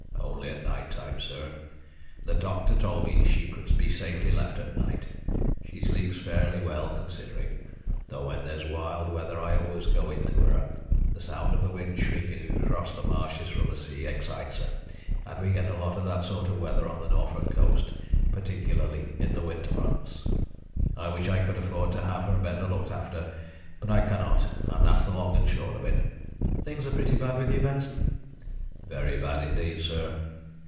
"Only at night time, sir. The doctor told me she could be safely left at night. She sleeps fairly well, considering, though when there's wild weather I always go in to her. The sound of the wind shrieking across the marshes from the sea excites her, and we get a lot of that sort of weather on the Norfolk coast, particularly in the winter months. I wish I could afford to have her better looked after, but I cannot, and that's the long and short of it." "Things are pretty bad with you, Benson?" "Very bad, indeed, sir.